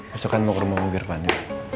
besok kan mau ke rumah ngubir pani